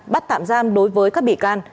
bắt tạm giam đối với các bị can